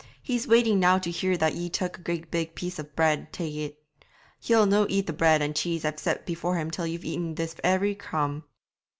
He's waiting now to hear that ye took a great big piece of bread tae it. He'll no eat the bread and cheese I've set before him till ye've eaten this every crumb.'